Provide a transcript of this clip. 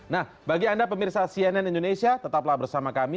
nah bagi anda pemirsa cnn indonesia tetaplah bersama kami